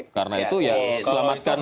karena itu ya selamatkan